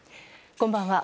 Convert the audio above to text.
こんばんは。